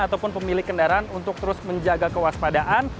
ataupun pemilik kendaraan untuk terus menjaga kewaspadaan